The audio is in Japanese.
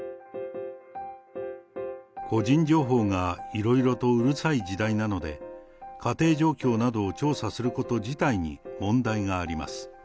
個人情報がいろいろとうるさい時代なので、家庭状況などを調査すること自体に問題があります。